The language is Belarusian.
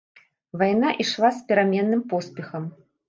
Вайна ішла з пераменным поспехам.